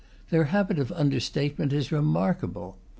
Their habit of under statement is remarkable.